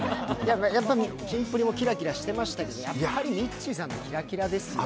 キンプリもキラキラしてましたけど、やっぱりミッチーさんキラキラですよ。